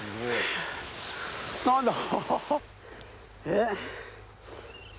えっ？